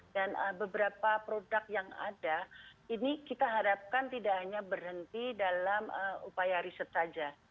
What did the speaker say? dan beberapa produk yang ada ini kita harapkan tidak hanya berhenti dalam upaya riset saja